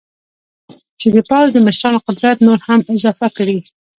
چې د پوځ د مشرانو قدرت نور هم اضافه کړي.